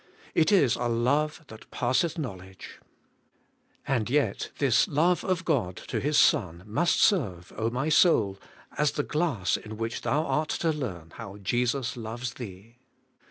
It is a love that passeth knowledge. And yet this love of God to His Son must serve, my soul, as the glass in which thou art to learn how Jesus loves thee.